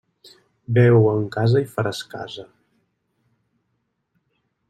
Beu en casa i faràs casa.